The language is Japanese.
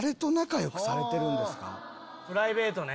プライベートね